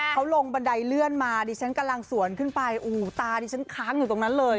เขาลงบันไดเลื่อนมาดิฉันกำลังสวนขึ้นไปโอ้โหตาดิฉันค้างอยู่ตรงนั้นเลย